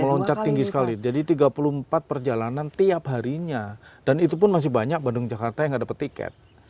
meloncat tinggi sekali jadi tiga puluh empat perjalanan tiap harinya dan itu pun masih banyak bandung jakarta yang nggak dapat tiket